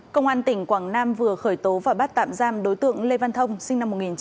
công an tỉnh quảng nam vừa khởi tố và bắt tạm giam đối tượng lê văn thông sinh năm một nghìn chín trăm tám mươi